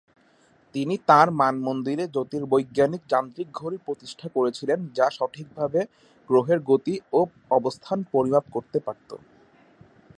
তিনি তাঁর মানমন্দিরে জ্যোতির্বৈজ্ঞানিক যান্ত্রিক ঘড়ি প্রতিষ্ঠা করেছিলেন যা সঠিকভাবে গ্রহের গতি ও অবস্থান পরিমাপ করতে পারত।